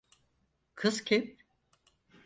Kız kim?